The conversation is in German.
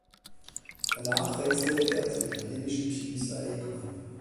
Danach wechselte er zum italienischen Team Saeco.